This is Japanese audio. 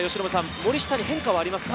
森下に変化はありますか？